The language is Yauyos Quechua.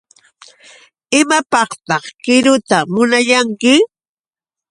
¿Imapaqtaq qiruta munayanki?